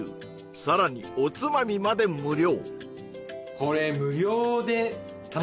さらにおつまみまで無料